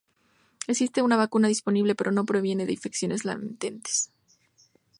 Existe una vacuna disponible, pero no previene las infecciones latentes.